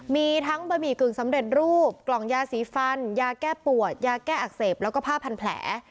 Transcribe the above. มีทั้งบะหมี่กึ่งสำเร็จรูปกล่องยาสีฟันยาแก้ปวดยาแก้อักเสบแล้วก็ผ้าพันแผล